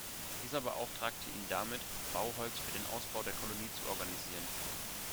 Dieser beauftragte ihn damit, Bauholz für den Ausbau der Kolonie zu organisieren.